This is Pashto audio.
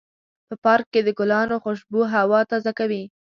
په پارک کې د ګلانو خوشبو هوا تازه کوي.